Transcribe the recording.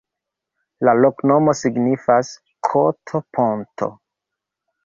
La loknomo signifas: koto-ponto.